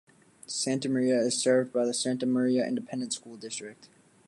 Santa Maria is served by the Santa Maria Independent School District.